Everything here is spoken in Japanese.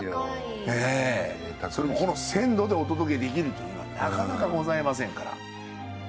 それもこの鮮度でお届けできるというのはなかなかございませんから。